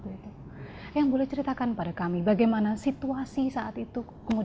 yang boleh ceritakan pada kami bagaimana situasi saat itu